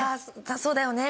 「そうだよね」